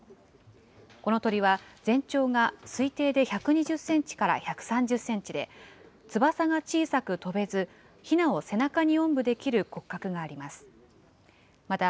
この鳥は、全長が推定で１２０センチから１３０センチで、翼が小さく飛べず、ひなを背中におんぶできる骨格があります。